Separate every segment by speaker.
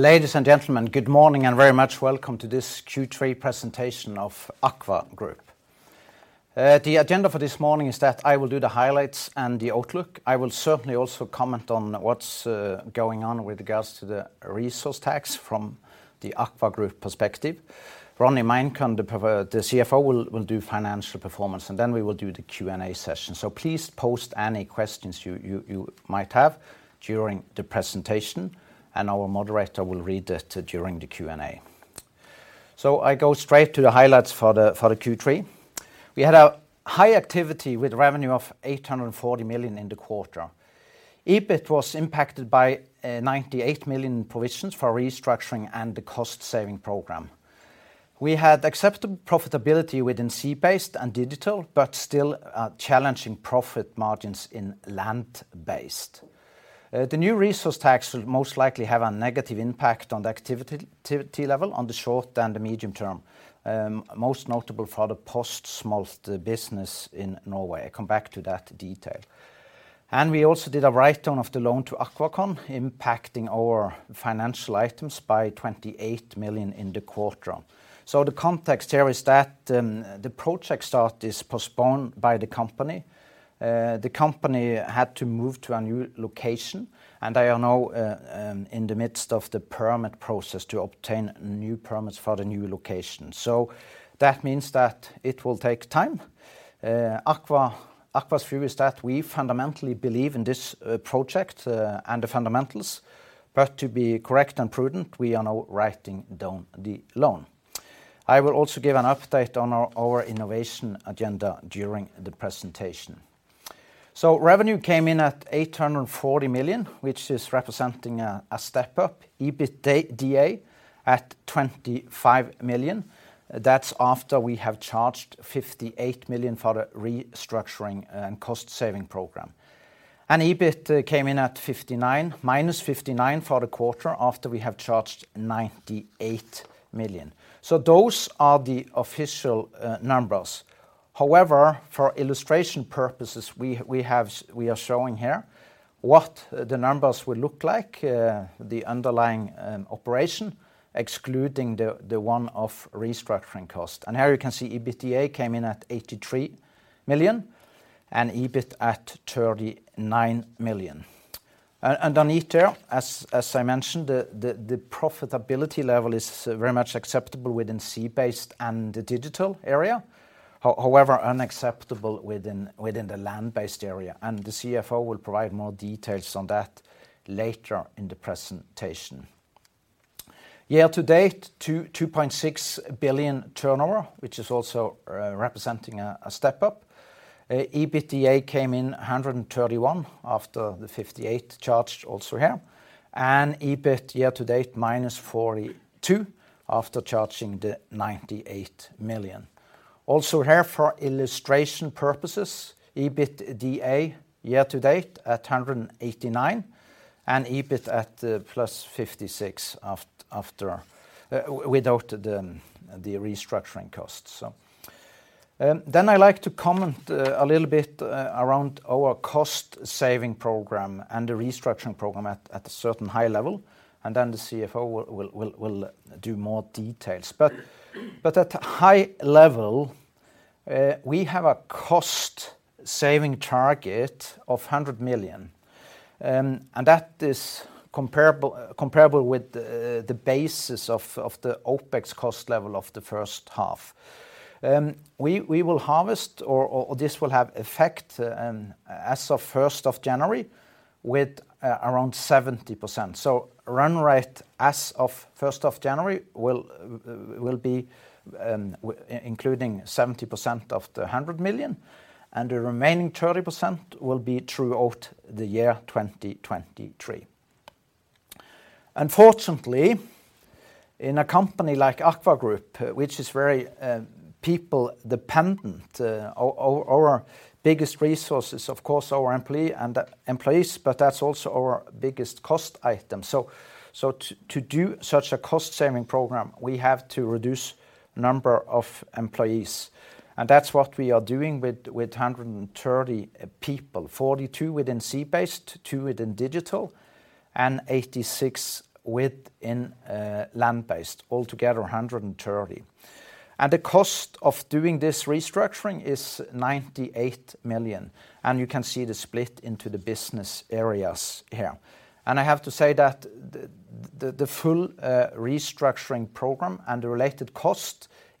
Speaker 1: Ladies and gentlemen, good morning and very much welcome to this Q3 presentation of AKVA Group. The agenda for this morning is that I will do the highlights and the outlook. I will certainly also comment on what's going on with regards to the resource tax from the AKVA Group perspective. Ronny Meinkøhn, the CFO, will do financial performance, and then we will do the Q&A session. Please post any questions you might have during the presentation, and our moderator will read it during the Q&A. I go straight to the highlights for the Q3. We had a high activity with revenue of 840 million in the quarter. EBIT was impacted by a 98 million provisions for restructuring and the cost-saving program. We had acceptable profitability within Sea based and Digital, but still challenging profit margins in Land based. The new resource rent tax will most likely have a negative impact on the activity level on the short and the medium term, most notable for the post-smolt business in Norway. I come back to that detail. We also did a write-down of the loan to AquaCon, impacting our financial items by 28 million in the quarter. The context here is that the project start is postponed by the company. The company had to move to a new location, and they are now in the midst of the permit process to obtain new permits for the new location. That means that it will take time. AKVA's view is that we fundamentally believe in this project and the fundamentals, but to be correct and prudent, we are now writing down the loan. I will also give an update on our innovation agenda during the presentation. Revenue came in at 840 million, which is representing a step up. EBITDA at 25 million. That's after we have charged 58 million for the restructuring and cost saving program. EBIT came in at -59 million for the quarter after we have charged 98 million. Those are the official numbers. However, for illustration purposes, we have we are showing here what the numbers would look like, the underlying operation, excluding the one-off restructuring cost. Here you can see EBITDA came in at 83 million and EBIT at 39 million. Underneath here, as I mentioned, the profitability level is very much acceptable within Sea based and the Digital area. However, unacceptable within the Land based area, and the CFO will provide more details on that later in the presentation. Year-to-date, 2.6 billion turnover, which is also representing a step up. EBITDA came in 131 after the 58 charged also here, and EBIT year-to-date -42 after charging the 98 million. Also here for illustration purposes, EBITDA year-to-date at 189 and EBIT at +56 after without the restructuring cost. I like to comment a little bit around our cost-saving program and the restructuring program at a certain high level, and then the CFO will do more details. At high level, we have a cost-saving target of 100 million, and that is comparable with the basis of the OpEx cost level of the first half. This will have effect as of January 1st with around 70%. Run rate as of January 1st will be including 70% of the 100 million, and the remaining 30% will be throughout the year 2023. Unfortunately, in a company like AKVA Group, which is very people dependent, our biggest resource is, of course, our employee and employees, but that's also our biggest cost item. To do such a cost-saving program, we have to reduce number of employees. That's what we are doing with 130 people: 42 within Sea based, 2 within Digital, and 86 within Land based. Altogether, 130. The cost of doing this restructuring is 98 million, and you can see the split into the business areas here. I have to say that the full restructuring program and the related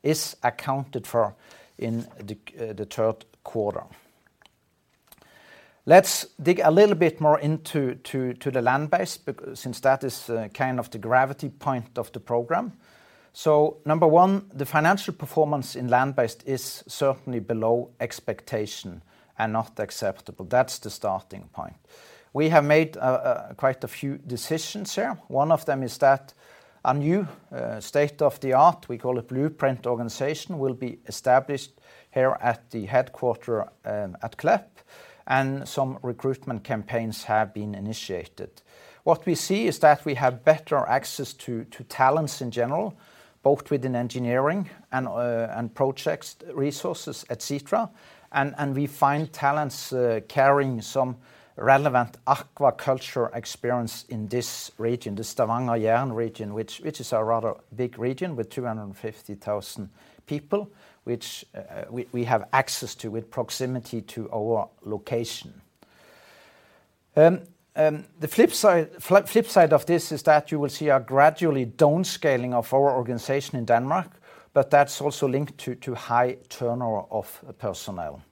Speaker 1: cost is accounted for in the third quarter. Let's dig a little bit more into the Land based since that is kind of the gravity point of the program. Number one, the financial performance in Land based is certainly below expectation and not acceptable. That's the starting point. We have made quite a few decisions here. One of them is that a new state-of-the-art, we call it blueprint organization, will be established here at the headquarters at Klepp and some recruitment campaigns have been initiated. What we see is that we have better access to talents in general, both within engineering and projects resources, et cetera. We find talents carrying some relevant aquaculture experience in this region, the Stavanger Jæren region, which is a rather big region with 250,000 people, which we have access to with proximity to our location. The flip side of this is that you will see a gradual downscaling of our organization in Denmark, but that's also linked to high turnover of personnel.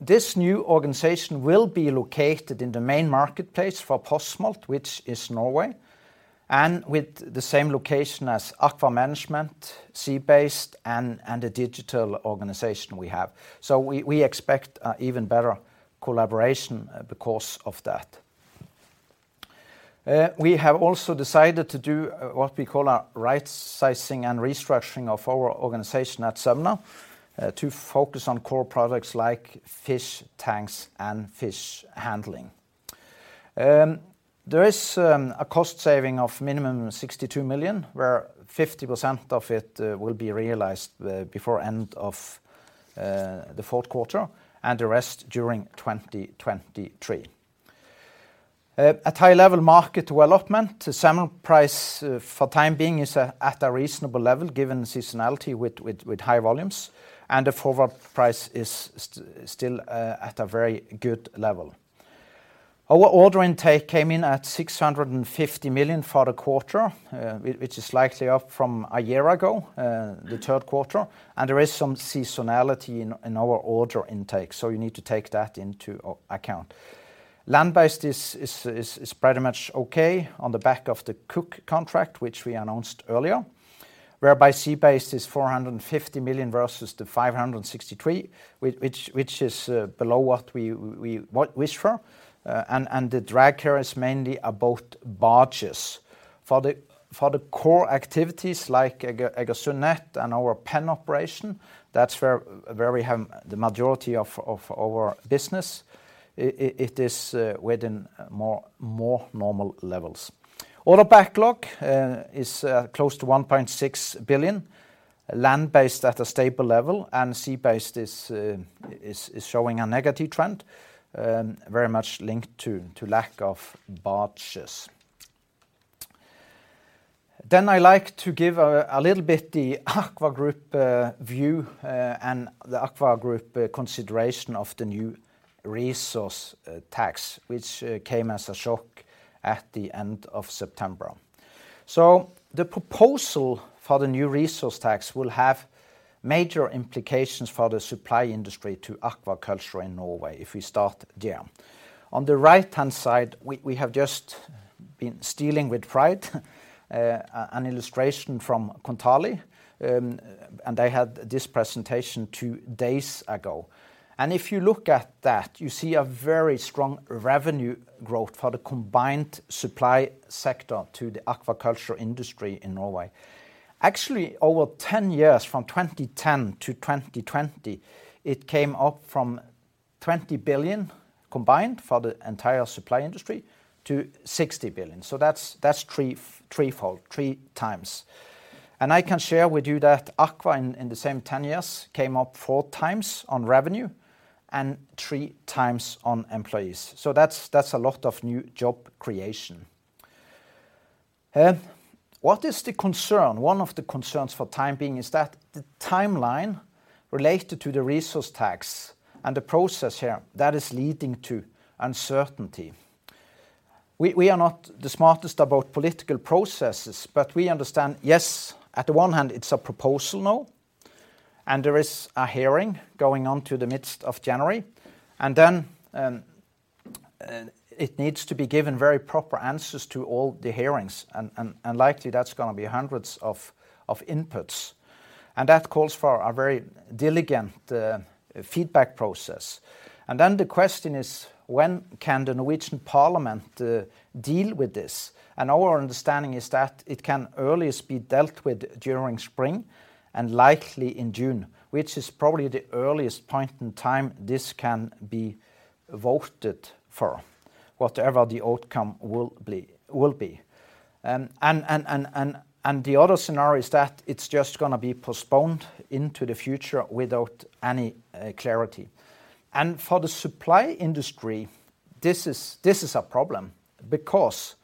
Speaker 1: This new organization will be located in the main marketplace for post-smolt, which is Norway, and with the same location as AKVA Management, Sea-Based, and the Digital organization we have. We expect an even better collaboration because of that. We have also decided to do what we call a right-sizing and restructuring of our organization at Sømna to focus on core products like fish tanks and fish handling. There is a cost saving of minimum 62 million, where 50% of it will be realized before the end of the fourth quarter and the rest during 2023. At high level market development, the salmon price for the time being is at a reasonable level given seasonality with high volumes and the forward price is still at a very good level. Our order intake came in at 650 million for the quarter, which is slightly up from a year ago, the third quarter, and there is some seasonality in our order intake, so you need to take that into account. Land-based is pretty much okay on the back of the Cooke contract, which we announced earlier, whereby Sea-based is 450 million versus the 563 million, which is below what we wish for, and the drag here is mainly about barges. For the core activities like cage and net and our pen operation, that's where we have the majority of our business, it is within more normal levels. Order backlog is close to 1.6 billion. Land-based at a stable level and Sea-based is showing a negative trend, very much linked to lack of barges. I like to give a little bit the AKVA Group view and the AKVA Group consideration of the new resource rent tax, which came as a shock at the end of September. The proposal for the new resource rent tax will have major implications for the supply industry to aquaculture in Norway, if we start there. On the right-hand side, we have just been swelling with pride, an illustration from Kontali, and they had this presentation two days ago. If you look at that, you see a very strong revenue growth for the combined supply sector to the aquaculture industry in Norway. Actually, over 10 years from 2010 to 2020, it came up from 20 billion combined for the entire supply industry to 60 billion. That's threefold, 3x. I can share with you that AKVA in the same 10 years came up 4x on revenue and 3x on employees. That's a lot of new job creation. What is the concern? One of the concerns for the time being is that the timeline related to the resource rent tax and the process here, that is leading to uncertainty. We are not the smartest about political processes, but we understand, yes, on the one hand, it's a proposal now, and there is a hearing going on until the middle of January. Then, it needs to be given very proper answers to all the hearings and likely that's gonna be hundreds of inputs. That calls for a very diligent feedback process. Then the question is, when can the Norwegian Parliament deal with this? Our understanding is that it can earliest be dealt with during spring and likely in June, which is probably the earliest point in time this can be voted for, whatever the outcome will be. The other scenario is that it's just gonna be postponed into the future without any clarity. For the supply industry, this is a problem because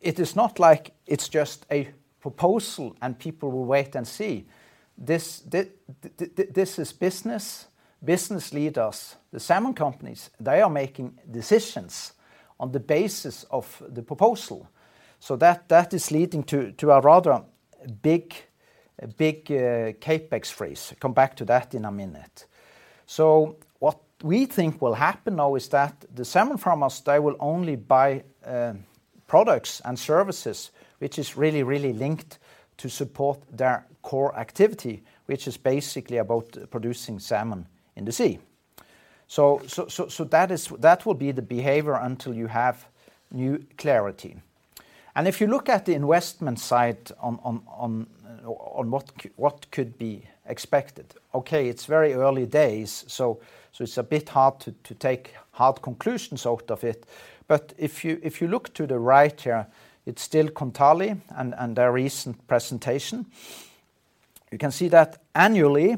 Speaker 1: it is not like it's just a proposal and people will wait and see. This is business leaders, the salmon companies, they are making decisions on the basis of the proposal. That is leading to a rather big CapEx freeze. I'll come back to that in a minute. What we think will happen now is that the salmon farmers, they will only buy products and services which is really, really linked to support their core activity, which is basically about producing salmon in the sea. That will be the behavior until you have new clarity. If you look at the investment side on what could be expected, okay, it's very early days, it's a bit hard to take hard conclusions out of it. If you look to the right here, it's still Kontali and their recent presentation. You can see that annually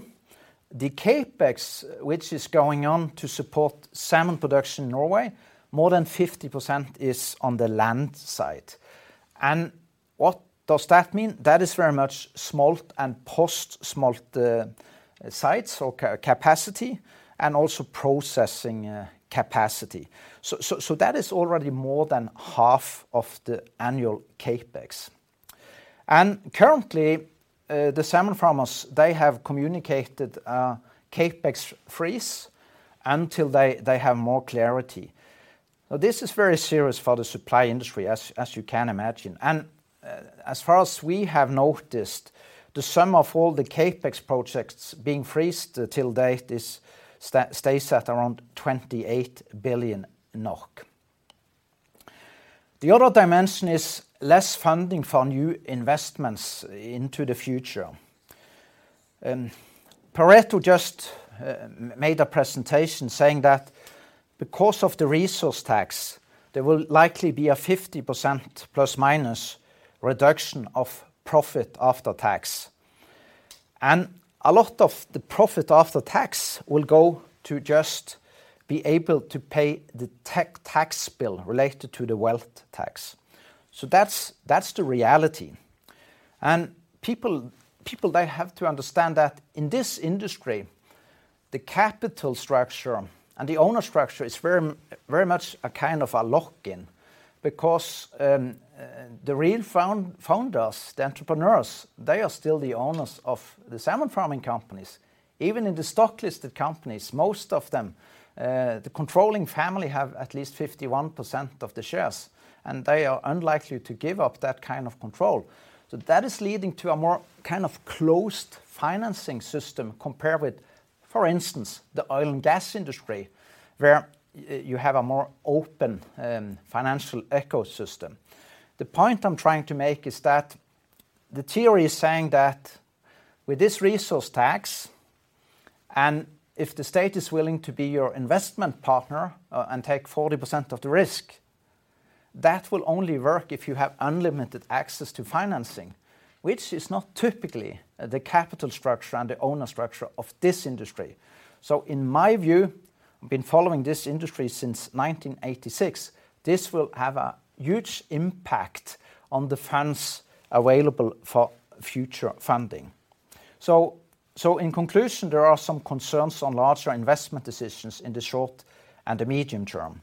Speaker 1: the CapEx which is going on to support salmon production in Norway, more than 50% is on the land side. What does that mean? That is very much smolt and post-smolt sites or capacity, and also processing capacity. That is already more than half of the annual CapEx. Currently, the salmon farmers they have communicated CapEx freeze until they have more clarity. Now, this is very serious for the supply industry, as you can imagine. As far as we have noticed, the sum of all the CapEx projects being frozen to date stays at around 28 billion NOK. The other dimension is less funding for new investments into the future. Pareto just made a presentation saying that because of the resource rent tax, there will likely be a 50% ± reduction of profit after tax. A lot of the profit after tax will go to just be able to pay the tax bill related to the wealth tax. That's the reality. People they have to understand that in this industry, the capital structure and the owner structure is very much a kind of a lock-in because the real founders, the entrepreneurs, they are still the owners of the salmon farming companies. Even in the stock-listed companies, most of them, the controlling family have at least 51% of the shares, and they are unlikely to give up that kind of control. That is leading to a more kind of closed financing system compared with, for instance, the oil and gas industry, where you have a more open, financial ecosystem. The point I'm trying to make is that the theory is saying that with this resource tax, and if the state is willing to be your investment partner, and take 40% of the risk, that will only work if you have unlimited access to financing, which is not typically the capital structure and the owner structure of this industry. In my view, I've been following this industry since 1986. This will have a huge impact on the funds available for future funding. In conclusion, there are some concerns on larger investment decisions in the short and the medium term.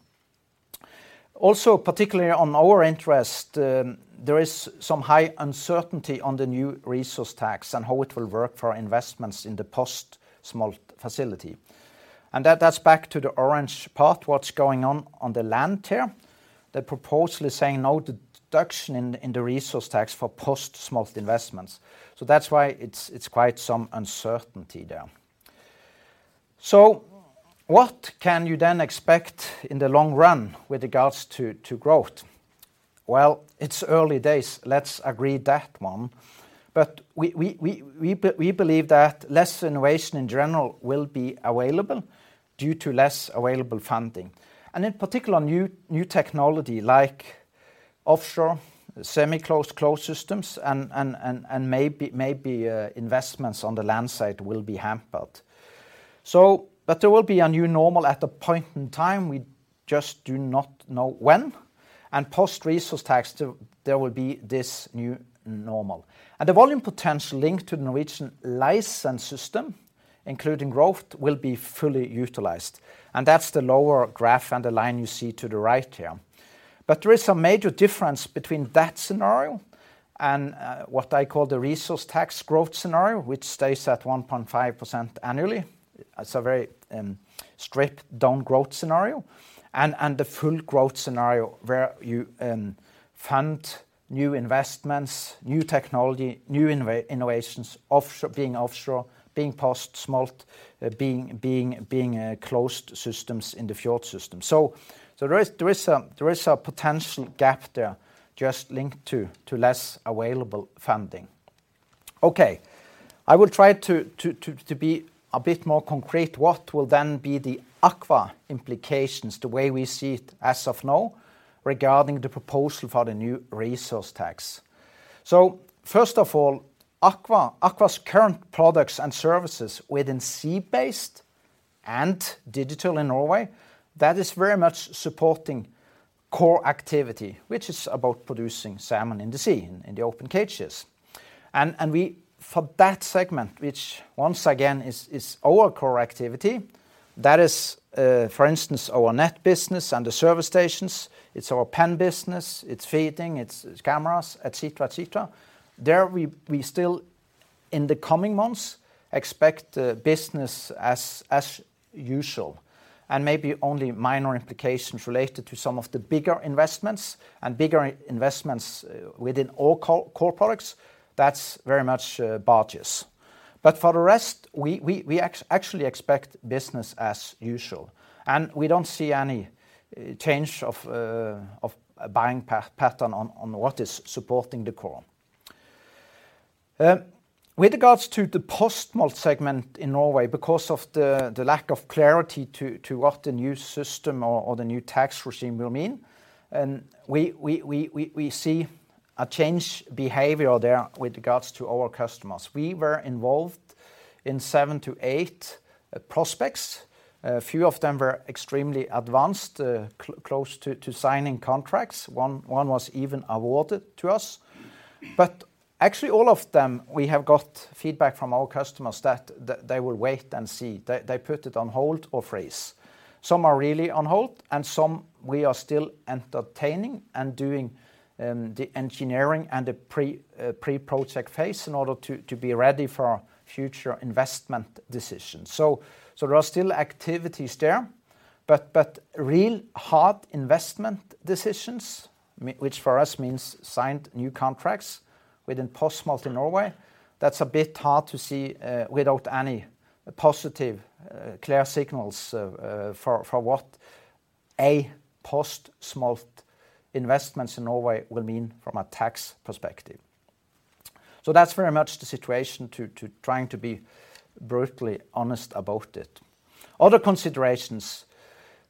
Speaker 1: Also, particularly on our interest, there is some high uncertainty on the new resource rent tax and how it will work for investments in the post-smolt facility. That's back to the orange part, what's going on on the land here. They're purposely saying no deduction in the resource rent tax for post-smolt investments. That's why it's quite some uncertainty there. What can you then expect in the long run with regards to growth? Well, it's early days. Let's agree that one. We believe that less innovation in general will be available due to less available funding. In particular, new technology like offshore, semi-closed, closed systems and maybe investments on the land side will be hampered. There will be a new normal at a point in time. We just do not know when. Post-resource rent tax that will be this new normal. The volume potential linked to the Norwegian license system, including growth, will be fully utilized. That's the lower graph and the line you see to the right here. But there is a major difference between that scenario and what I call the resource rent tax growth scenario, which stays at 1.5% annually. It's a very stripped down growth scenario. The full growth scenario where you fund new investments, new technology, new innovations, offshore, being post-smolt, being closed systems in the fjord system. There is a potential gap there just linked to less available funding. Okay. I will try to be a bit more concrete. What will then be the AKVA implications, the way we see it as of now regarding the proposal for the new resource tax? First of all, AKVA's current products and services within Sea based and Digital in Norway, that is very much supporting core activity, which is about producing salmon in the sea, in the open cages. We for that segment, which once again is our core activity, that is, for instance, our net business and the service stations, it's our pen business, it's feeding, it's cameras, et cetera. There we still in the coming months expect the business as usual, and maybe only minor implications related to some of the bigger investments within all core products. That's very much barges. For the rest, we actually expect business as usual, and we don't see any change of buying pattern on what is supporting the core. With regards to the post-smolt segment in Norway, because of the lack of clarity to what the new system or the new tax regime will mean, and we see a change behavior there with regards to our customers. We were involved in seven to eight prospects. A few of them were extremely advanced, close to signing contracts. One was even awarded to us. Actually all of them, we have got feedback from our customers that they will wait and see. They put it on hold or freeze. Some are really on hold, and some we are still entertaining and doing the engineering and the pre-project phase in order to be ready for future investment decisions. There are still activities there, but real hard investment decisions, which for us means signed new contracts within post-smolt in Norway. That's a bit hard to see without any positive clear signals for what post-smolt investments in Norway will mean from a tax perspective. That's very much the situation, trying to be brutally honest about it. Other considerations.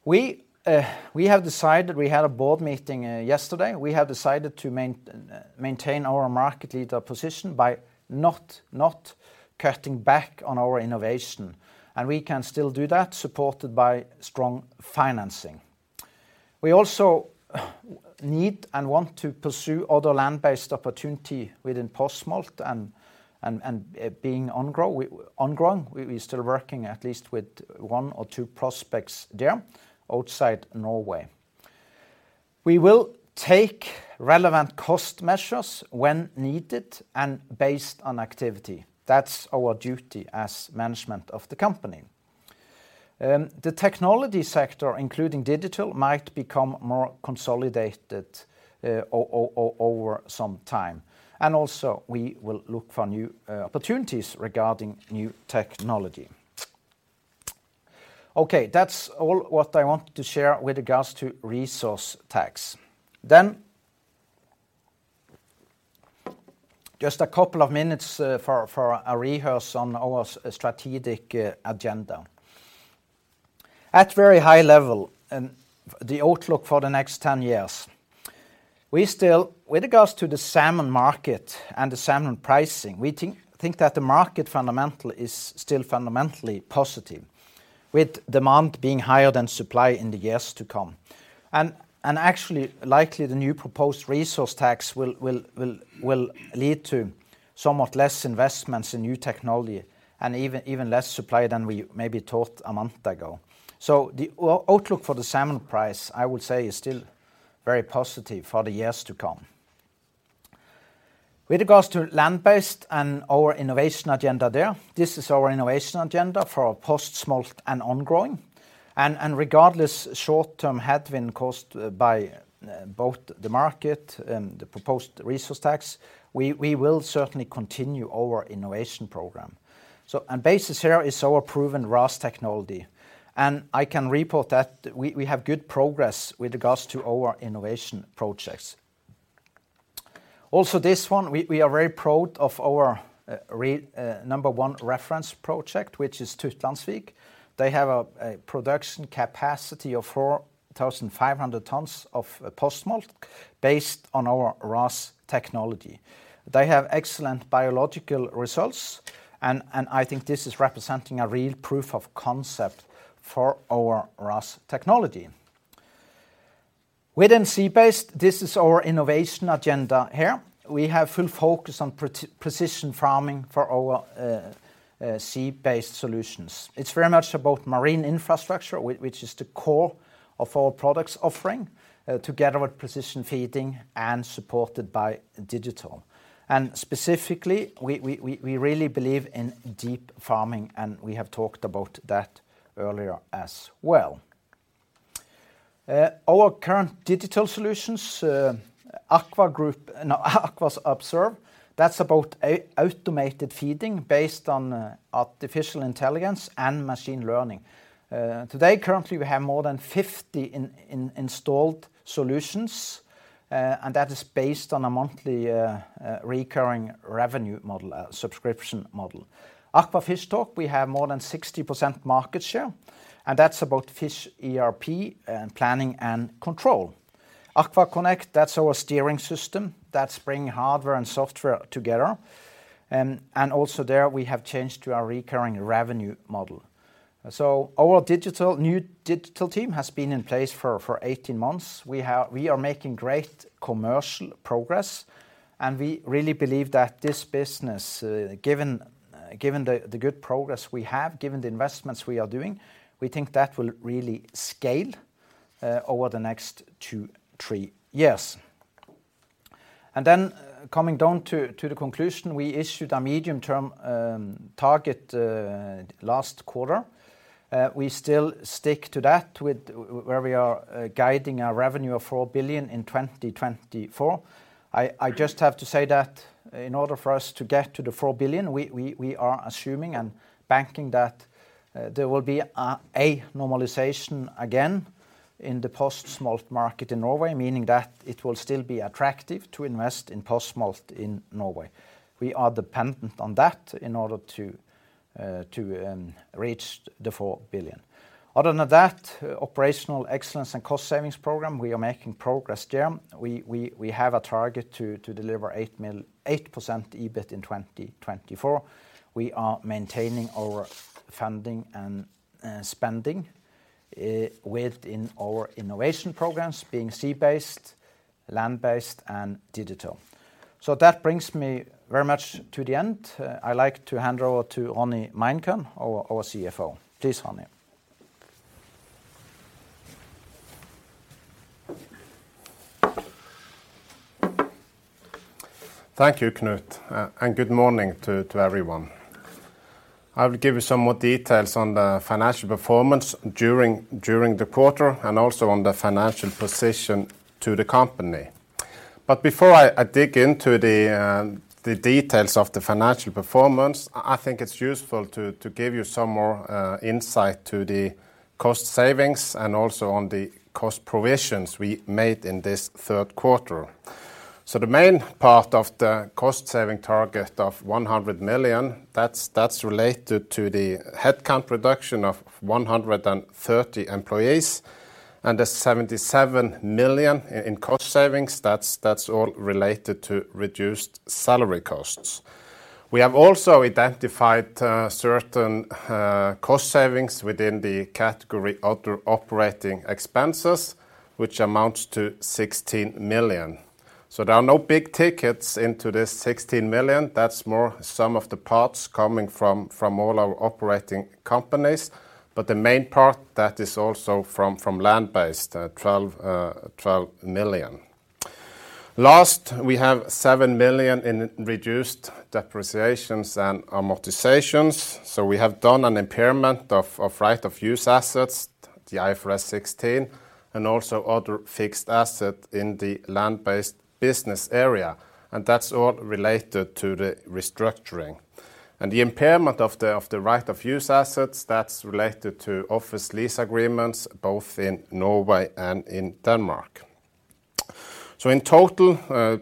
Speaker 1: We have decided. We had a board meeting yesterday. We have decided to maintain our market leader position by not cutting back on our innovation, and we can still do that supported by strong financing. We also need and want to pursue other Land based opportunity within post-smolt and being ongrowing. We still working at least with one or two prospects there outside Norway. We will take relevant cost measures when needed and based on activity. That's our duty as management of the company. The technology sector, including Digital, might become more consolidated over some time. We will look for new opportunities regarding new technology. Okay. That's all what I want to share with regards to resource tax. Just a couple of minutes for a rehash on our strategic agenda. At very high level and the outlook for the next 10 years, we still-... With regards to the salmon market and the salmon pricing, we think that the market fundamental is still fundamentally positive, with demand being higher than supply in the years to come. Actually, likely the new proposed resource rent tax will lead to somewhat less investments in new technology and even less supply than we maybe thought a month ago. The outlook for the salmon price, I would say, is still very positive for the years to come. With regards to Land based and our innovation agenda there, this is our innovation agenda for post-smolt and ongrowing. Regardless, short-term headwind caused by both the market and the proposed resource rent tax, we will certainly continue our innovation program. Basis here is our proven RAS technology. I can report that we have good progress with regards to our innovation projects. This one, we are very proud of our number one reference project, which is Tytlandsvik. They have a production capacity of 4,500 tons of post-smolt based on our RAS technology. They have excellent biological results, and I think this is representing a real proof of concept for our RAS technology. Within Sea based, this is our innovation agenda here. We have full focus on precision farming for our Sea based solutions. It's very much about marine infrastructure, which is the core of our products offering, together with precision feeding and supported by Digital. Specifically, we really believe in deep farming, and we have talked about that earlier as well. Our current Digital solutions, AKVA Observe, that's about automated feeding based on artificial intelligence and machine learning. Today, currently we have more than 50 installed solutions, and that is based on a monthly recurring revenue model, subscription model. AKVA Fishtalk, we have more than 60% market share, and that's about fish ERP and planning and control. AKVA connect, that's our steering system. That's bringing hardware and software together. Also there, we have changed to a recurring revenue model. Our new Digital team has been in place for 18 months. We are making great commercial progress, and we really believe that this business, given the good progress we have, given the investments we are doing, we think that will really scale over the next two to three years. Coming down to the conclusion, we issued a medium-term target last quarter. We still stick to that with where we are, guiding our revenue of 4 billion in 2024. I just have to say that in order for us to get to the 4 billion, we are assuming and banking that there will be a normalization again in the post-smolt market in Norway, meaning that it will still be attractive to invest in post-smolt in Norway. We are dependent on that in order to reach the 4 billion. Other than that, operational excellence and cost savings program, we are making progress there. We have a target to deliver 8% EBIT in 2024. We are maintaining our funding and spending within our innovation programs, being Sea based, Land based, and Digital. That brings me very much to the end. I'd like to hand over to Ronny Meinkøhn, our CFO. Please, Ronny.
Speaker 2: Thank you, Knut, and good morning to everyone. I will give you some more details on the financial performance during the quarter and also on the financial position to the company. Before I dig into the details of the financial performance, I think it's useful to give you some more insight to the cost savings and also on the cost provisions we made in this third quarter. The main part of the cost-saving target of 100 million, that's related to the headcount reduction of 130 employees. And the 77 million in cost savings, that's all related to reduced salary costs. We have also identified certain cost savings within the category other operating expenses, which amounts to 16 million. There are no big tickets into this 16 million. That's more some of the parts coming from all our operating companies. The main part, that is also from Land based, 12 million. Last, we have 7 million in reduced depreciations and amortizations, so we have done an impairment of right of use assets, the IFRS 16, and also other fixed asset in the Land based business area, and that's all related to the restructuring. The impairment of the right of use assets, that's related to office lease agreements, both in Norway and in Denmark. In total,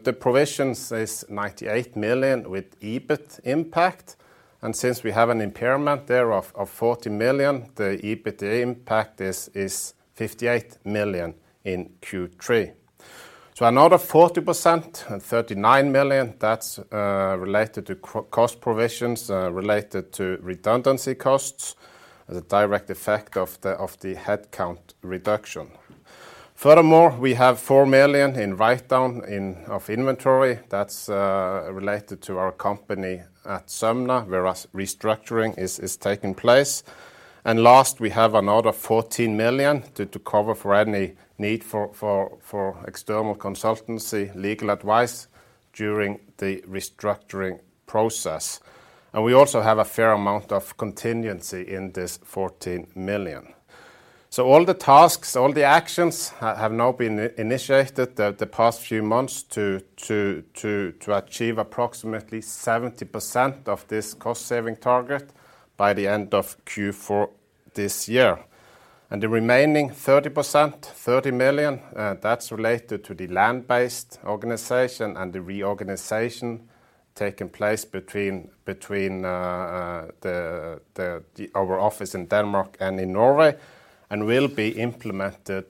Speaker 2: the provisions is 98 million with EBIT impact, and since we have an impairment there of 40 million, the EBIT impact is 58 million in Q3. Another 40%, 39 million, that's related to cost provisions related to redundancy costs, the direct effect of the headcount reduction. Furthermore, we have 4 million in write-down of inventory. That's related to our company at Sømna, where restructuring is taking place. Last, we have another 14 million to cover for any need for external consultancy, legal advice during the restructuring process. We also have a fair amount of contingency in this 14 million. All the tasks, all the actions have now been initiated the past few months to achieve approximately 70% of this cost-saving target by the end of Q4 this year. The remaining 30%, 30 million, that's related to the Land based organization and the reorganization taking place between our office in Denmark and in Norway and will be implemented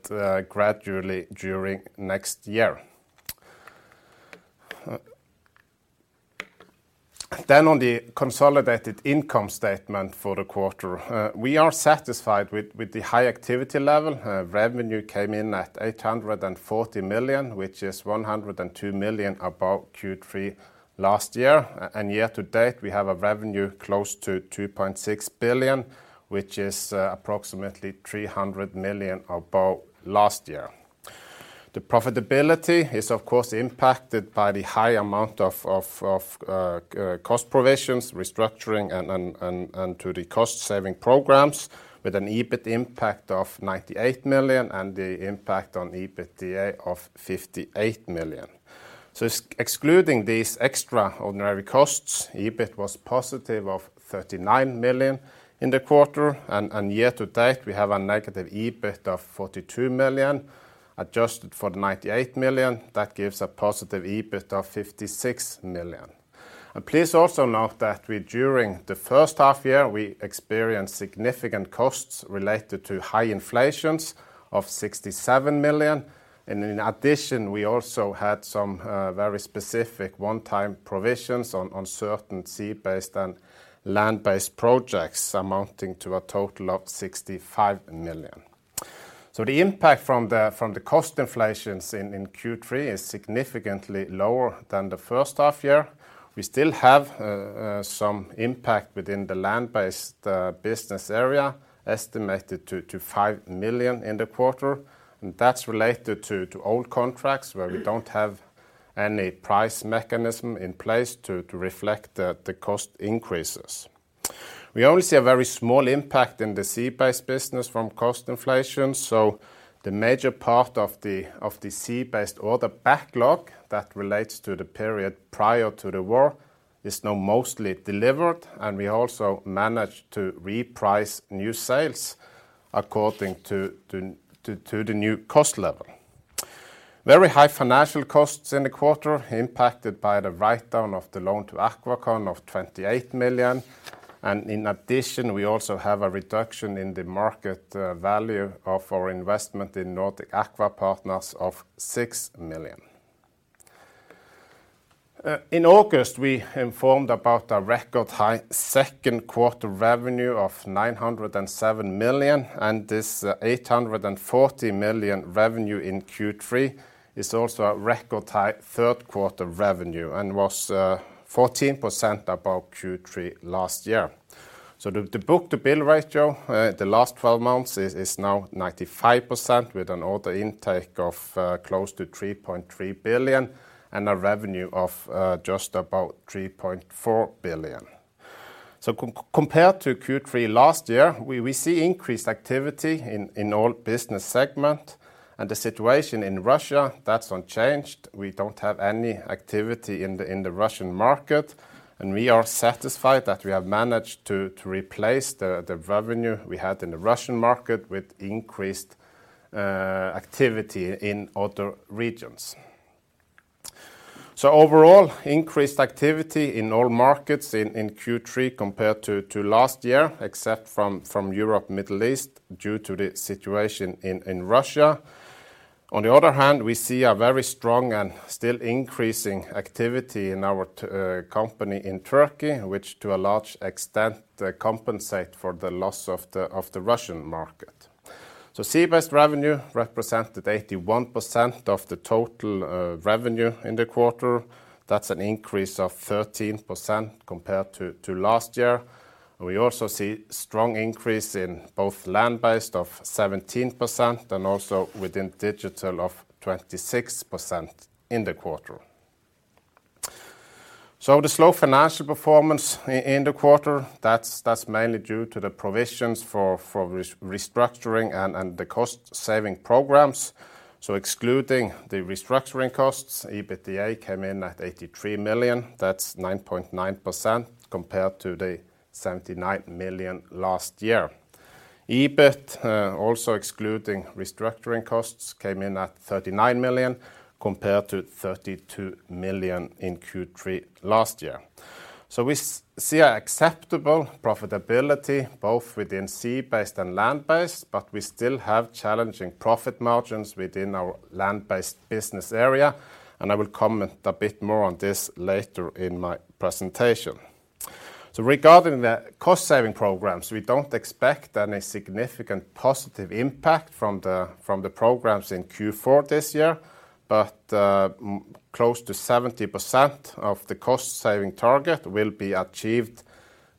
Speaker 2: gradually during next year. On the consolidated income statement for the quarter, we are satisfied with the high activity level. Revenue came in at 840 million, which is 102 million above Q3 last year. Year to date, we have revenue close to 2.6 billion, which is approximately 300 million above last year. The profitability is of course impacted by the high amount of goodwill provisions, restructuring and due to the cost-saving programs with an EBIT impact of 98 million and the impact on EBITDA of 58 million. Excluding these extraordinary costs, EBIT was positive of 39 million in the quarter, and year to date, we have a negative EBIT of 42 million. Adjusted for the 98 million, that gives a positive EBIT of 56 million. Please also note that during the first half year, we experienced significant costs related to high inflations of 67 million. In addition, we also had some very specific one-time provisions on certain Sea based and Land based projects amounting to a total of 65 million. The impact from the cost inflations in Q3 is significantly lower than the first half year. We still have some impact within the Land based business area, estimated to 5 million in the quarter, and that's related to old contracts where we don't have any price mechanism in place to reflect the cost increases. We only see a very small impact in the Sea Based business from cost inflation, so the major part of the Sea Based order backlog that relates to the period prior to the war is now mostly delivered, and we also managed to reprice new sales according to the new cost level. Very high financial costs in the quarter impacted by the write-down of the loan to AquaCon of 28 million. In addition, we also have a reduction in the market value of our investment in Nordic Aqua Partners of 6 million. In August, we informed about a record high second quarter revenue of 907 million, and this 840 million revenue in Q3 is also a record high third quarter revenue and was 14% above Q3 last year. The book-to-bill ratio the last twelve months is now 95% with an order intake of close to 3.3 billion and a revenue of just about 3.4 billion. Compared to Q3 last year, we see increased activity in all business segment and the situation in Russia, that's unchanged. We don't have any activity in the Russian market, and we are satisfied that we have managed to replace the revenue we had in the Russian market with increased activity in other regions. Overall, increased activity in all markets in Q3 compared to last year, except from Europe, Middle East, due to the situation in Russia. On the other hand, we see a very strong and still increasing activity in our company in Turkey, which to a large extent compensate for the loss of the Russian market. Sea Based revenue represented 81% of the total revenue in the quarter. That's an increase of 13% compared to last year. We also see strong increase in both Land Based of 17% and also within Digital of 26% in the quarter. The solid financial performance in the quarter, that's mainly due to the provisions for restructuring and the cost-saving programs. Excluding the restructuring costs, EBITDA came in at 83 million. That's 9.9% compared to 79 million last year. EBIT, also excluding restructuring costs, came in at 39 million compared to 32 million in Q3 last year. We see acceptable profitability both within Sea Based and Land Based, but we still have challenging profit margins within our Land Based business area, and I will comment a bit more on this later in my presentation. Regarding the cost-saving programs, we don't expect any significant positive impact from the programs in Q4 this year, but close to 70% of the cost-saving target will be achieved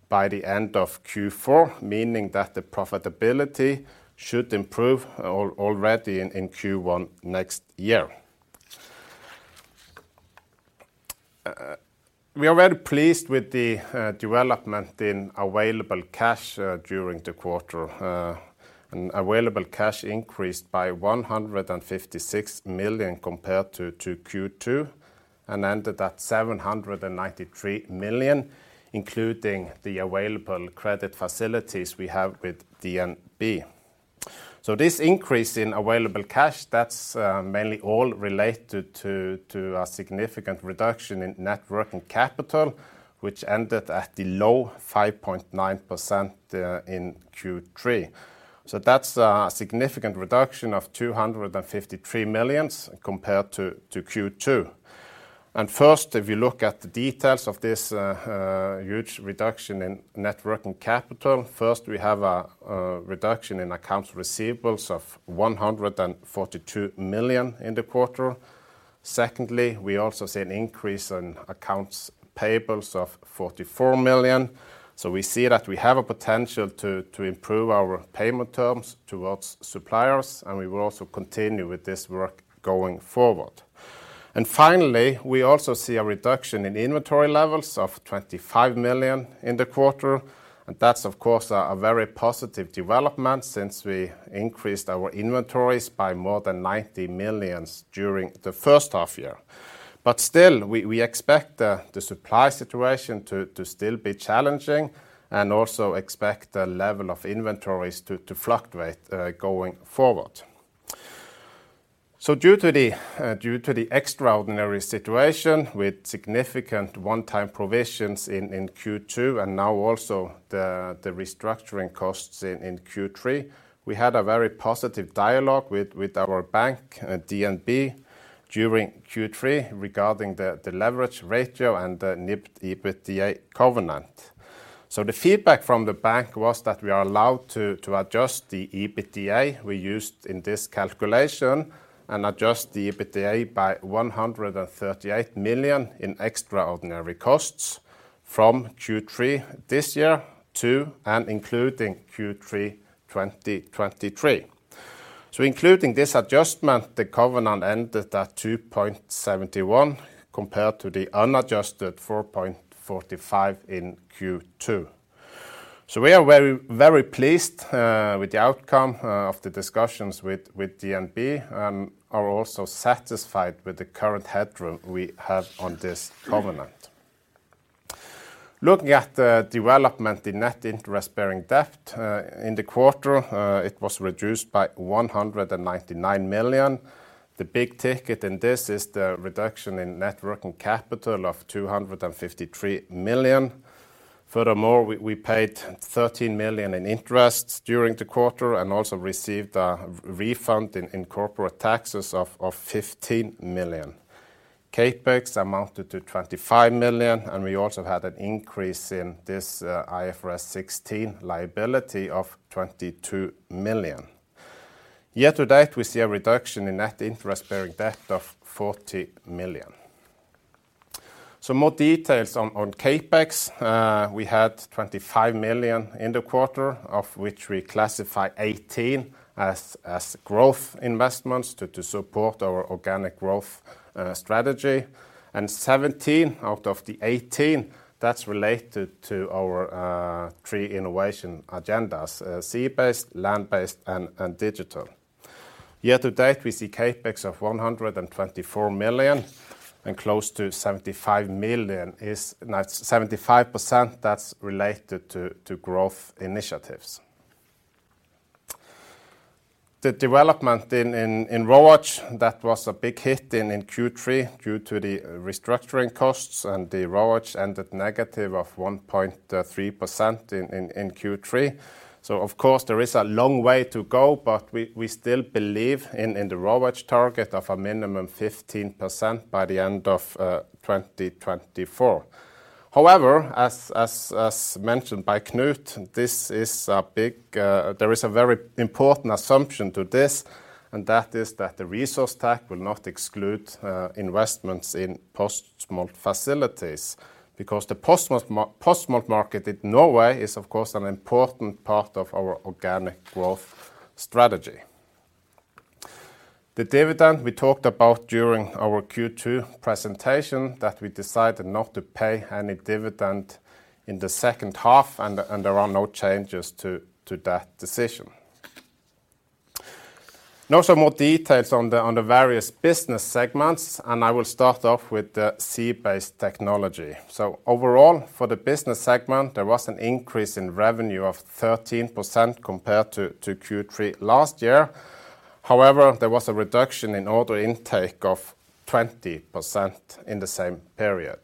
Speaker 2: by the end of Q4, meaning that the profitability should improve already in Q1 next year. We are very pleased with the development in available cash during the quarter. Available cash increased by 156 million compared to Q2 and ended at 793 million, including the available credit facilities we have with DNB. This increase in available cash that's mainly all related to a significant reduction in net working capital, which ended at the low 5.9% in Q3. That's a significant reduction of 253 million compared to Q2. First, if you look at the details of this huge reduction in net working capital, first we have a reduction in accounts receivables of 142 million in the quarter. Secondly, we also see an increase in accounts payables of 44 million. We see that we have a potential to improve our payment terms towards suppliers, and we will also continue with this work going forward. Finally, we also see a reduction in inventory levels of 25 million in the quarter. That's, of course, a very positive development since we increased our inventories by more than 90 million during the first half year. Still, we expect the supply situation to still be challenging and also expect the level of inventories to fluctuate going forward. Due to the extraordinary situation with significant one-time provisions in Q2 and now also the restructuring costs in Q3, we had a very positive dialogue with our bank, DNB, during Q3 regarding the leverage ratio and the NIBD EBITDA covenant. The feedback from the bank was that we are allowed to adjust the EBITDA we used in this calculation and adjust the EBITDA by 138 million in extraordinary costs from Q3 this year to and including Q3 2023. Including this adjustment, the covenant ended at 2.71 compared to the unadjusted 4.45 in Q2. We are very, very pleased with the outcome of the discussions with DNB and are also satisfied with the current headroom we have on this covenant. Looking at the development in net interest-bearing debt in the quarter, it was reduced by 199 million. The big ticket in this is the reduction in net working capital of 253 million. Furthermore, we paid 13 million in interest during the quarter and also received a refund in corporate taxes of 15 million. CapEx amounted to 25 million, and we also had an increase in this IFRS 16 liability of 22 million. Year to date, we see a reduction in net interest-bearing debt of 40 million. More details on CapEx. We had 25 million in the quarter, of which we classify 18 as growth investments to support our organic growth strategy. And 17 out of the 18, that's related to our three innovation agendas, sea based, land based, and Digital. Year to date, we see CapEx of 124 million, and close to 75 million is 75% that's related to growth initiatives. The development in ROACE that was a big hit in Q3 due to the restructuring costs and the ROACE ended negative of 1.3% in Q3. Of course, there is a long way to go, but we still believe in the ROACE target of a minimum 15% by the end of 2024. However, as mentioned by Knut, there is a very important assumption to this, and that is that the resource rent tax will not exclude investments in post-smolt facilities. Because the post-smolt market in Norway is, of course, an important part of our organic growth strategy. The dividend we talked about during our Q2 presentation that we decided not to pay any dividend in the second half, and there are no changes to that decision. Now some more details on the various business segments, and I will start off with the sea based technology. Overall, for the business segment, there was an increase in revenue of 13% compared to Q3 last year. However, there was a reduction in order intake of 20% in the same period.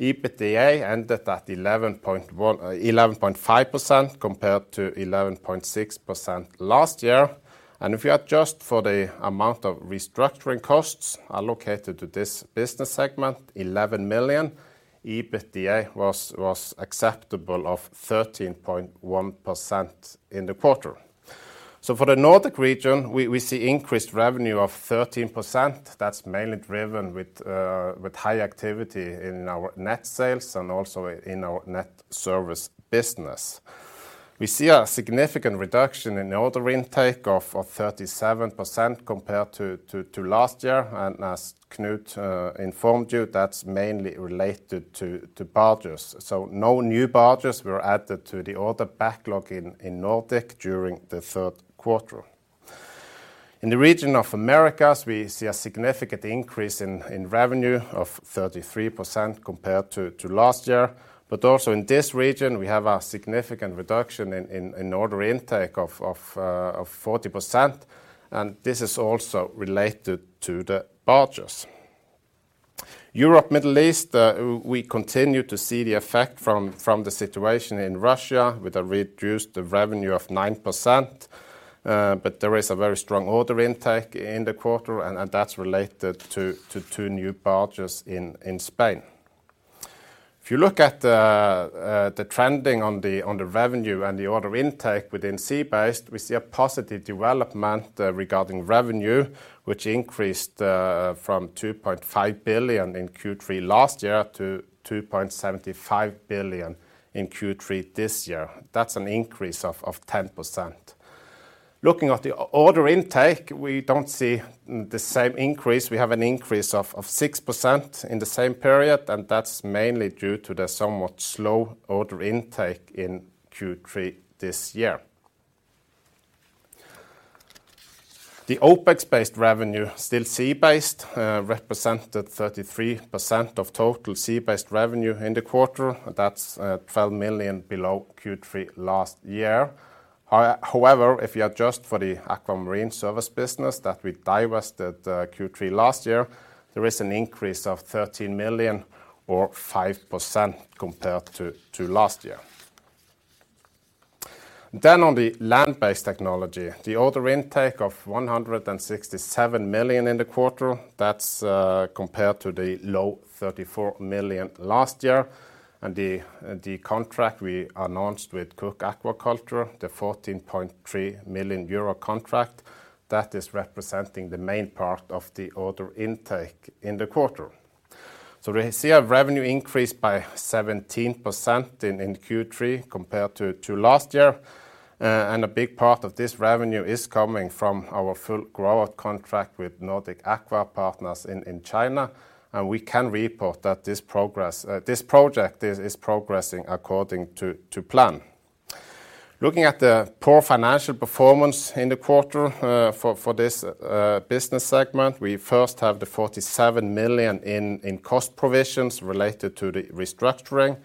Speaker 2: EBITDA ended at 11.5% compared to 11.6% last year. If you adjust for the amount of restructuring costs allocated to this business segment, 11 million, EBITDA was acceptable at 13.1% in the quarter. For the Nordic region, we see increased revenue of 13%. That's mainly driven with high activity in our net sales and also in our net service business. We see a significant reduction in order intake of 37% compared to last year, and as Knut informed you, that's mainly related to barges. No new barges were added to the order backlog in Nordic during the third quarter. In the region of Americas, we see a significant increase in revenue of 33% compared to last year. Also in this region, we have a significant reduction in order intake of 40%, and this is also related to the barges. Europe, Middle East, we continue to see the effect from the situation in Russia with a reduced revenue of 9%, but there is a very strong order intake in the quarter and that's related to 2 new barges in Spain. If you look at the trending on the revenue and the order intake within Sea based, we see a positive development regarding revenue, which increased from 2.5 billion in Q3 last year to 2.75 billion in Q3 this year. That's an increase of 10%. Looking at the order intake, we don't see the same increase. We have an increase of 6% in the same period, and that's mainly due to the somewhat slow order intake in Q3 this year. The OpEx-based revenue, still Sea based, represented 33% of total Sea based revenue in the quarter. That's 12 million below Q3 last year. However, if you adjust for the AKVA Marine Services business that we divested Q3 last year, there is an increase of 13 million or 5% compared to last year. On the land based technology, the order intake of 167 million in the quarter, that's compared to the low 34 million last year. The contract we announced with Cooke Aquaculture, the 14.3 million euro contract, that is representing the main part of the order intake in the quarter. We see a revenue increase by 17% in Q3 compared to last year. A big part of this revenue is coming from our full grow-out contract with Nordic Aqua Partners in China, and we can report that this project is progressing according to plan. Looking at the poor financial performance in the quarter, for this business segment, we first have the 47 million in cost provisions related to the restructuring.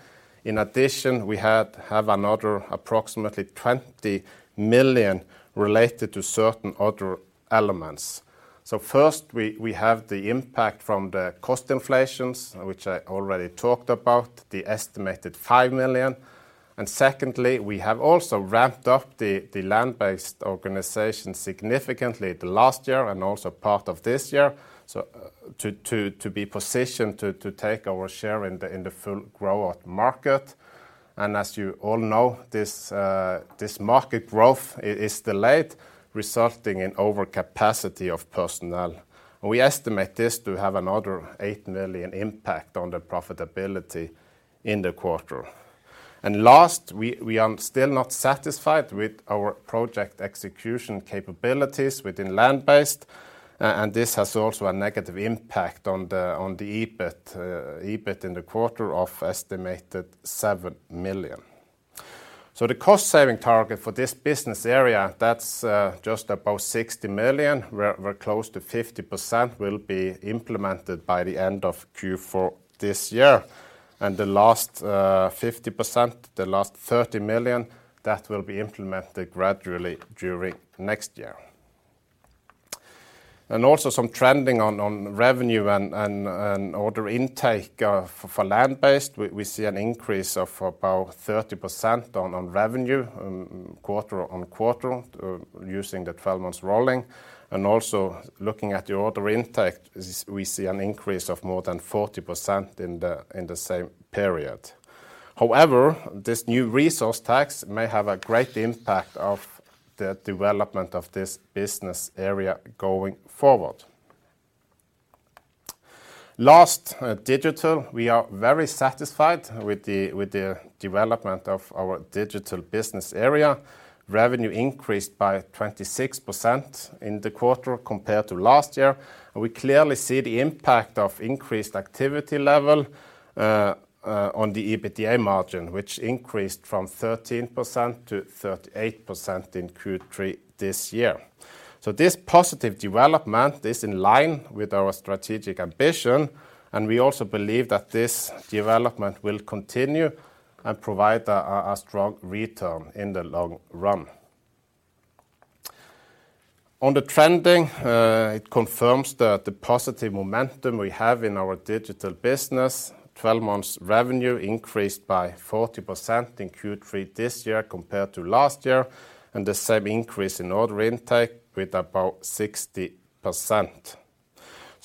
Speaker 2: In addition, we had, have another approximately 20 million related to certain other elements. First, we have the impact from the cost inflation, which I already talked about, the estimated 5 million. Secondly, we have also ramped up the Land based organization significantly the last year and also part of this year so to be positioned to take our share in the full grow-out market. As you all know, this market growth is delayed, resulting in overcapacity of personnel. We estimate this to have another 8 million impact on the profitability in the quarter. Last, we are still not satisfied with our project execution capabilities within Land based, and this has also a negative impact on the EBIT in the quarter of estimated 7 million. The cost-saving target for this business area, that's just about 60 million. We're close to 50% will be implemented by the end of Q4 this year. The last 50%, the last 30 million, that will be implemented gradually during next year. Also some trending on revenue and order intake for Land based. We see an increase of about 30% on revenue quarter-over-quarter using the 12 months rolling. Also looking at the order intake is we see an increase of more than 40% in the same period. However, this new resource rent tax may have a great impact on the development of this business area going forward. Last Digital. We are very satisfied with the development of our Digital business area. Revenue increased by 26% in the quarter compared to last year. We clearly see the impact of increased activity level on the EBITDA margin, which increased from 13% to 38% in Q3 this year. This positive development is in line with our strategic ambition, and we also believe that this development will continue and provide a strong return in the long run. On the trailing, it confirms the positive momentum we have in our Digital business. Twelve months revenue increased by 40% in Q3 this year compared to last year, and the same increase in order intake with about 60%.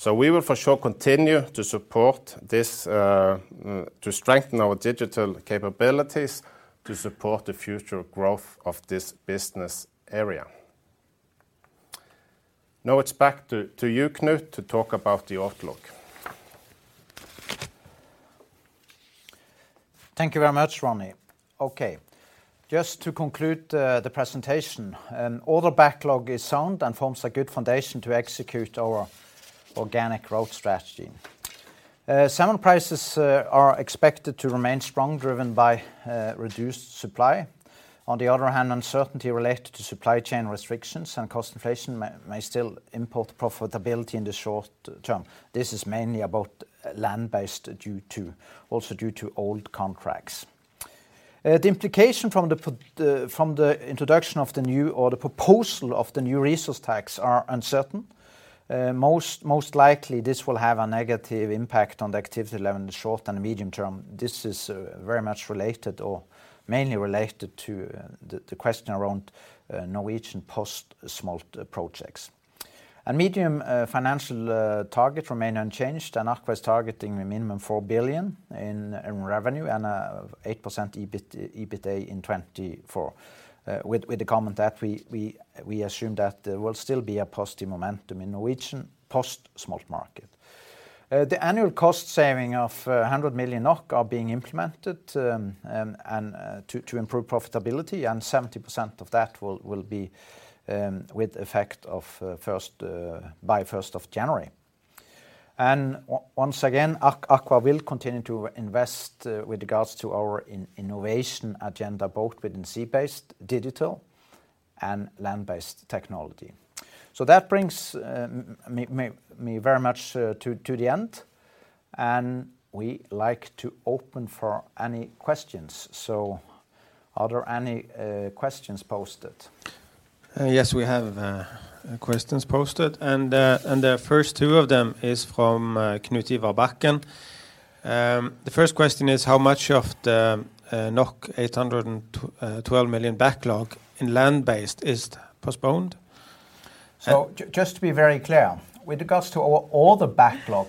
Speaker 2: We will for sure continue to support this to strengthen our Digital capabilities to support the future growth of this business area. Now it's back to you, Knut, to talk about the outlook.
Speaker 1: Thank you very much, Ronnie. Okay. Just to conclude the presentation. Order backlog is sound and forms a good foundation to execute our organic growth strategy. Salmon prices are expected to remain strong, driven by reduced supply. On the other hand, uncertainty related to supply chain restrictions and cost inflation may still impact profitability in the short-term. This is mainly about Land based, also due to old contracts. The implication from the introduction of the new or the proposal of the new resource rent tax are uncertain. Most likely this will have a negative impact on the activity level in the short and medium term. This is very much related or mainly related to the question around Norwegian post-smolt projects. Medium-term financial targets remain unchanged, and AKVA is targeting a minimum 4 billion in revenue and 8% EBIT, EBITDA in 2024. With the comment that we assume that there will still be a positive momentum in Norwegian post-smolt market. The annual cost saving of 100 million NOK are being implemented and to improve profitability, and 70% of that will be with effect from by January 1st. Once again, AKVA will continue to invest with regards to our innovation agenda, both within Sea based, Digital, and Land based technology. That brings me very much to the end, and we like to open for any questions. Are there any questions posted?
Speaker 3: Yes, we have questions posted and the first two of them is from Knut-Ivar Bakken. The first question is how much of the 812 million backlog in Land based is postponed?
Speaker 1: Just to be very clear, with regards to all the backlog,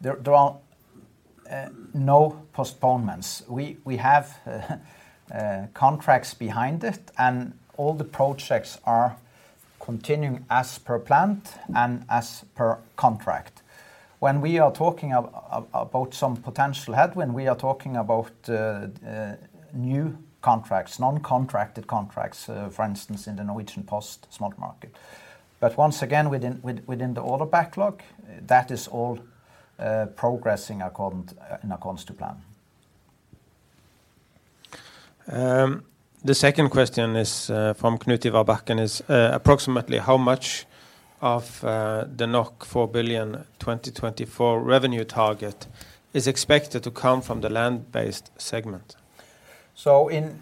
Speaker 1: there are no postponements. We have contracts behind it and all the projects are continuing as planned and as per contract. When we are talking about some potential headwind, we are talking about new contracts, non-contracted contracts, for instance, in the Norwegian post-smolt market. Once again, within the order backlog, that is all progressing according to plan.
Speaker 3: The second question is from Knut-Ivar Bakken. Approximately how much of the 4 billion 2024 revenue target is expected to come from the Land based segment?
Speaker 1: In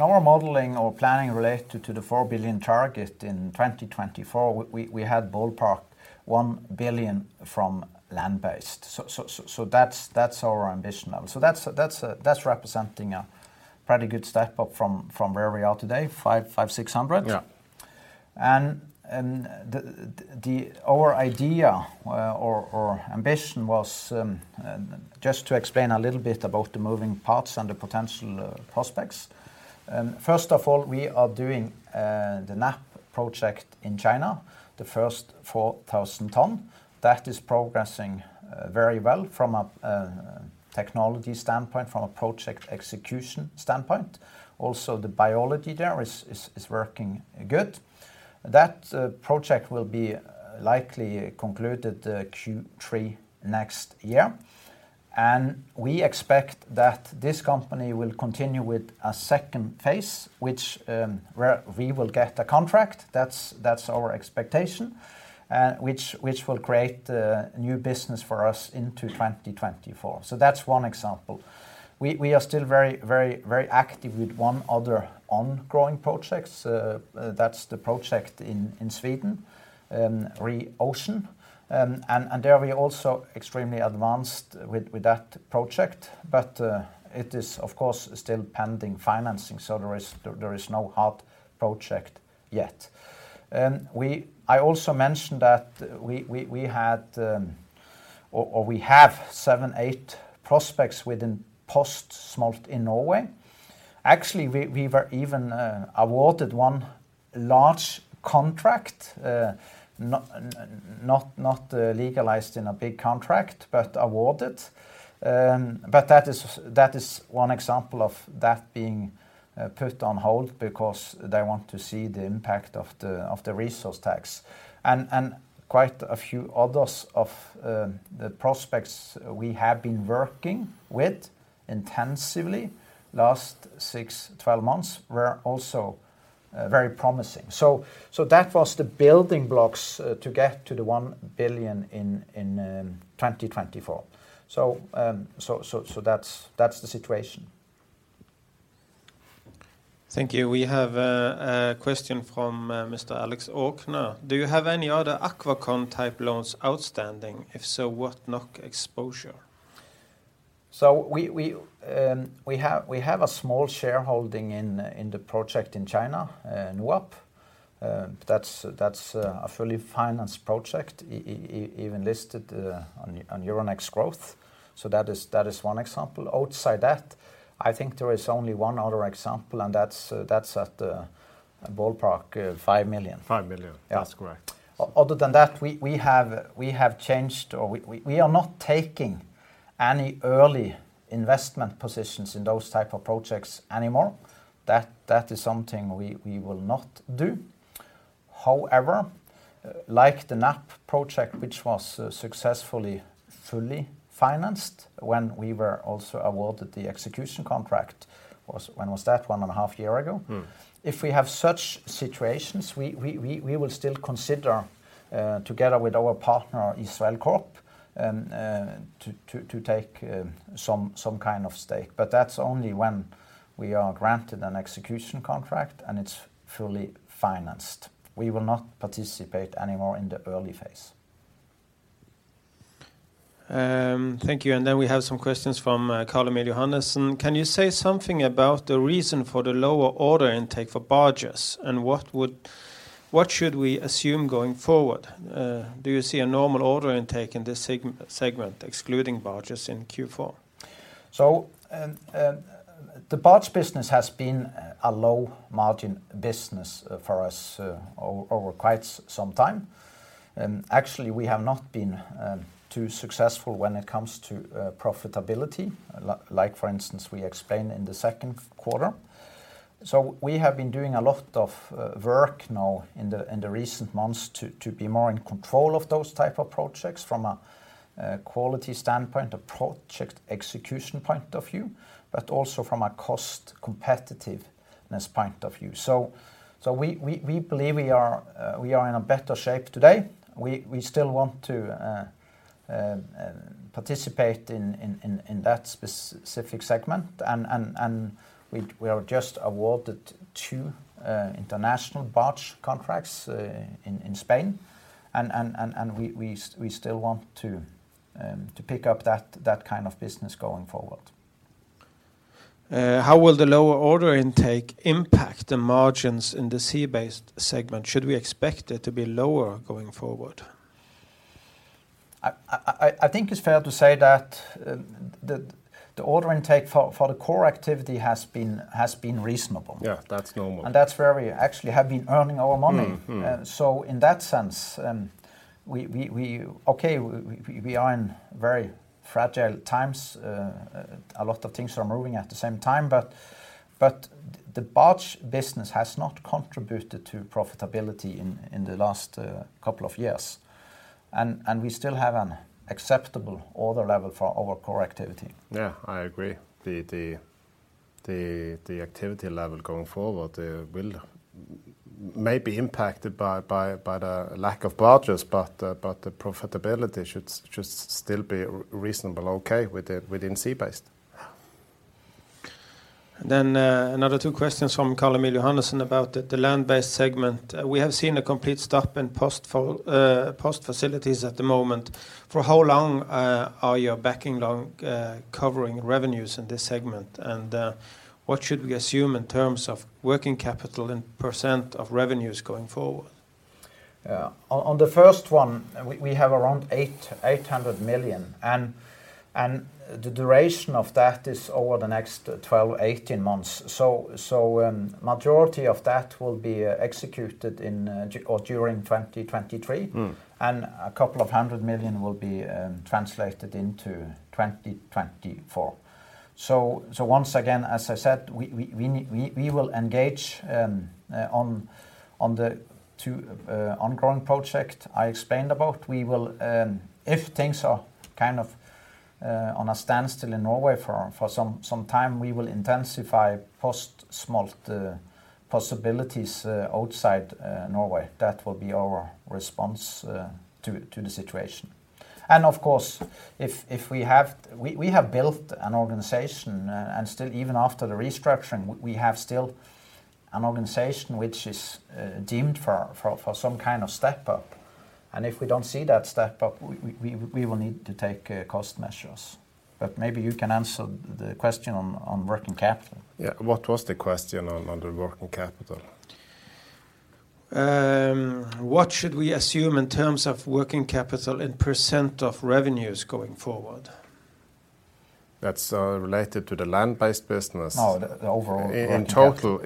Speaker 1: our modeling or planning related to the 4 billion target in 2024, we had ballpark 1 billion from Land based. That's our ambition level. That's representing a pretty good step up from where we are today, 550 million-600 million.
Speaker 2: Yeah.
Speaker 1: Our idea or ambition was just to explain a little bit about the moving parts and the potential prospects. First of all, we are doing the NOAP project in China, the first 4,000-ton. That is progressing very well from a technology standpoint, from a project execution standpoint. Also, the biology there is working good. That project will be likely concluded Q3 next year. We expect that this company will continue with a second phase, which where we will get a contract, that's our expectation, which will create new business for us into 2024. That's one example. We are still very active with one other ongoing projects. That's the project in Sweden, Re:Ocean. We are also extremely advanced with that project, but it is, of course, still pending financing, so there is no hard project yet. I also mentioned that we have seven, eight prospects within post-smolt in Norway. Actually, we were even awarded one large contract, not finalized, it's a big contract, but awarded. That is one example of that being put on hold because they want to see the impact of the resource rent tax. Quite a few others of the prospects we have been working with intensively last six to twelve months were also very promising. That was the building blocks to get to 1 billion in 2024. That's the situation.
Speaker 3: Thank you. We have a question from Mr. Alex Aukner. Do you have any other AquaCon-type loans outstanding? If so, what NOK exposure?
Speaker 1: We have a small shareholding in the project in China, NAP. That's a fully financed project even listed on Euronext Growth. That is one example. Outside that, I think there is only one other example, and that's at ballpark 5 million.
Speaker 2: 5 million.
Speaker 1: Yeah.
Speaker 2: That's correct.
Speaker 1: Other than that, we have changed or we are not taking any early investment positions in those type of projects anymore. That is something we will not do. However, like the NOAP project, which was successfully fully financed when we were also awarded the execution contract, when was that? One and a half years ago.
Speaker 2: Mm.
Speaker 1: If we have such situations, we will still consider together with our partner, Israel Corp, to take some kind of stake. That's only when we are granted an execution contract and it's fully financed. We will not participate anymore in the early phase.
Speaker 3: Thank you. We have some questions from Carl-Emil Johannessen. Can you say something about the reason for the lower order intake for barges? What should we assume going forward? Do you see a normal order intake in this segment, excluding barges in Q4?
Speaker 1: The barge business has been a low margin business for us over quite some time. Actually, we have not been too successful when it comes to profitability, like for instance, we explained in the second quarter. We have been doing a lot of work now in the recent months to be more in control of those type of projects from a quality standpoint, a project execution point of view, but also from a cost competitiveness point of view. We believe we are in a better shape today. We still want to participate in that specific segment. We are just awarded 2 international barge contracts in Spain. We still want to pick up that kind of business going forward.
Speaker 3: How will the lower order intake impact the margins in the Sea based segment? Should we expect it to be lower going forward?
Speaker 1: I think it's fair to say that the order intake for the core activity has been reasonable.
Speaker 2: Yeah. That's normal.
Speaker 1: That's where we actually have been earning our money.
Speaker 2: Mm-hmm. Mm-hmm.
Speaker 1: So in that sense we...okay, we are in very fragile times. A lot of things are moving at the same time, but the barge business has not contributed to profitability in the last couple of years. We still have an acceptable order level for our core activity.
Speaker 2: Yeah, I agree. The activity level going forward may be impacted by the lack of barges, but the profitability should still be reasonable okay within Sea based.
Speaker 1: Yeah.
Speaker 3: Another two questions from Carl Emil Johannessen about the Land based segment. We have seen a complete stop in post-smolt facilities at the moment. For how long are you backing down covering revenues in this segment? What should we assume in terms of working capital and percent of revenues going forward?
Speaker 1: On the first one, we have around 800 million, and the duration of that is over the next 12-18 months. Majority of that will be executed in or during 2023.
Speaker 2: Mm.
Speaker 1: A couple of hundred million will be translated into 2024. Once again, as I said, we will engage on the two ongoing projects I explained about. If things are kind of on a standstill in Norway for some time, we will intensify post-smolt possibilities outside Norway. That will be our response to the situation. Of course, if we have—we have built an organization and still even after the restructuring, we have still an organization which is deemed for some kind of step up. If we don't see that step up, we will need to take cost measures. Maybe you can answer the question on working capital.
Speaker 2: Yeah. What was the question on the working capital?
Speaker 3: What should we assume in terms of working capital and percent of revenues going forward?
Speaker 2: That's related to the Land based business?
Speaker 1: No, the overall working capital.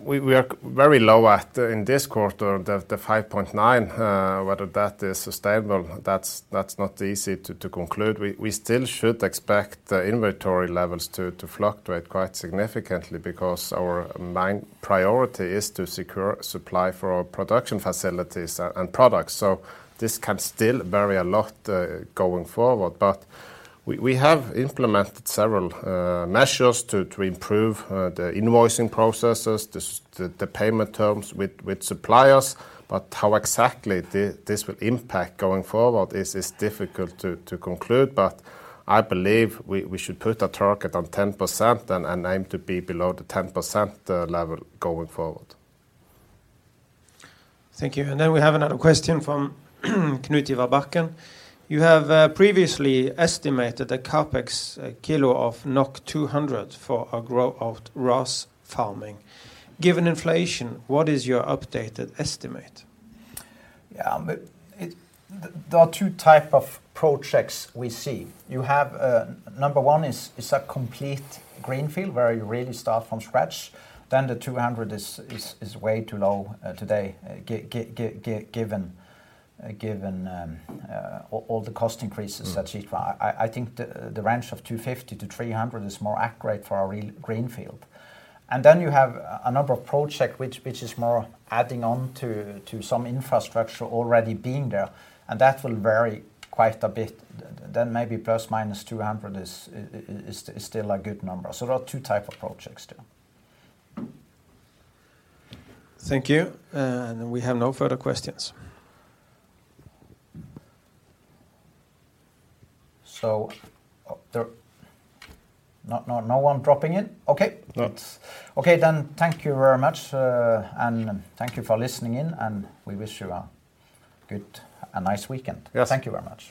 Speaker 2: We are very low in this quarter, 5.9%, whether that is sustainable, that's not easy to conclude. We still should expect the inventory levels to fluctuate quite significantly because our main priority is to secure supply for our production facilities and products. This can still vary a lot going forward. We have implemented several measures to improve the invoicing processes, the payment terms with suppliers. How exactly this will impact going forward is difficult to conclude. I believe we should put a target on 10% and aim to be below the 10% level going forward.
Speaker 3: Thank you. We have another question from Knut-Ivar Bakken. You have previously estimated the CapEx per kilo of 200 for a grow-out of RAS farming. Given inflation, what is your updated estimate?
Speaker 1: There are two type of projects we see. You have number one is a complete greenfield where you really start from scratch. The 200 is way too low today given all the cost increases et cetera. I think the range of 250-300 is more accurate for a real greenfield. You have a number of project which is more adding on to some infrastructure already being there, and that will vary quite a bit. Maybe ±200 is still a good number. There are two type of projects there.
Speaker 3: Thank you. We have no further questions.
Speaker 1: No one dropping in? Okay.
Speaker 3: No.
Speaker 1: Okay. Thank you very much, and thank you for listening in, and we wish you a good, a nice weekend.
Speaker 2: Yes.
Speaker 1: Thank you very much.